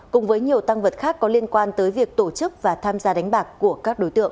cùng với nhiều tăng vật khác có liên quan tới việc tổ chức và tham gia đánh bạc của các đối tượng